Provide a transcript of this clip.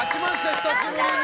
久しぶりに。